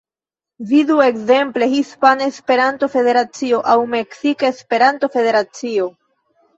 Vidu ekzemple Hispana Esperanto-Federacio aŭ Meksika Esperanto-Federacio.